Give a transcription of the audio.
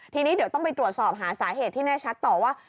ทีนี้เดี๋ยวต้องไปตรวจสอบหาสาเหตุที่แน่ชัดต่อว่า